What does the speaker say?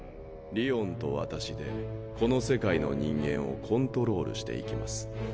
りおんと私でこの世界の人間をコントロールしていきます。